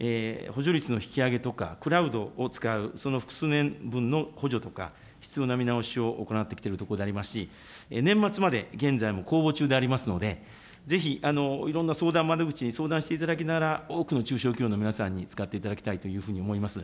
補助率の引き上げとか、クラウドを使う、その複数年分の補助とか、必要な見直しを行ってきているところでありますし、年末まで現在も公募中でありますので、ぜひいろんな相談窓口に相談していただきながら、多くの中小企業の皆さんに使っていただきたいというふうに思います。